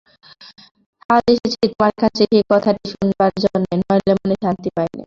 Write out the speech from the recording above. আজ এসেছি তোমার কাছে সেই কথাটি শোনবার জন্যে নইলে মনে শান্তি পাই নে।